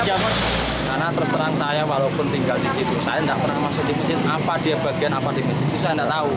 karena terserang saya walaupun tinggal di situ saya enggak pernah masuk di masjid apa dia bagian apa di masjid itu saya enggak tahu